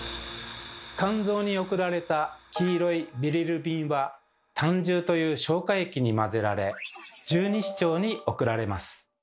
肝臓に送られた黄色いビリルビンは胆汁という消化液に混ぜられ十二指腸に送られます。